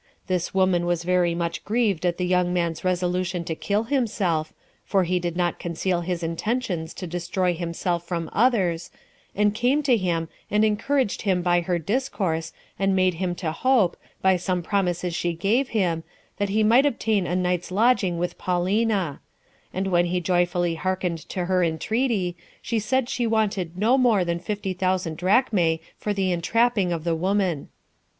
This woman was very much grieved at the young man's resolution to kill himself, [for he did not conceal his intentions to destroy himself from others,] and came to him, and encouraged him by her discourse, and made him to hope, by some promises she gave him, that he might obtain a night's lodging with Paulina; and when he joyfully hearkened to her entreaty, she said she wanted no more than fifty thousand drachmae for the entrapping of the woman.